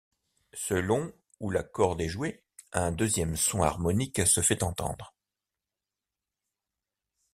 Selon où la corde est jouée, un deuxième son harmonique se fait entendre.